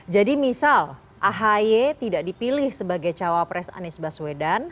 jadi misal ahy tidak dipilih sebagai cawapres anies baswedan